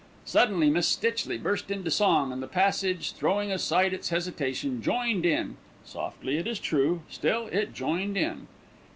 Suddenly Miss Stitchley burst into song, and the passage, throwing aside its hesitation, joined in, softly it is true, still it joined in.